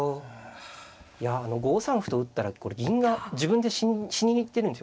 いや５三歩と打ったらこれ銀が自分で死にに行ってるんですよ。